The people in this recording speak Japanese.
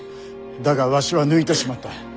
だがわしは抜いてしまった。